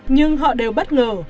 nhưng họ đều bất ngờ